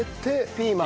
ピーマン。